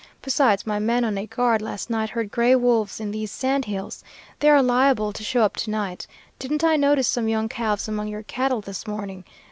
Besides, my men on a guard last night heard gray wolves in these sand hills. They are liable to show up to night. Didn't I notice some young calves among your cattle this morning?